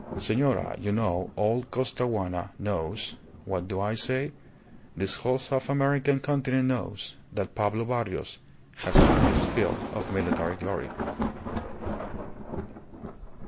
Senora, you know, all Costaguana knows what do I say? this whole South American continent knows, that Pablo Barrios has had his fill of military glory."